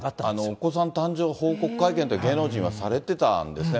お子さん誕生報告会見って、芸能人はされてたんですね。